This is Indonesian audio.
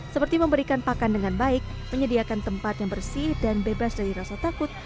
seperti memberikan pakan dengan baik menyediakan tempat yang bersih dan bebas dari rasa takut